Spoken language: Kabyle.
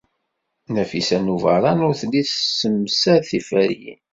Nafisa n Ubeṛṛan ur telli tessemsad tiferyin.